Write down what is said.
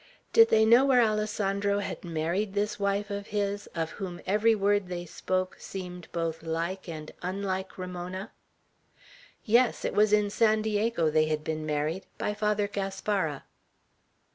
Did they know where Alessandro had married this wife of his, of whom every word they spoke seemed both like and unlike Ramona? Yes. It was in San Diego they had been married, by Father Gaspara.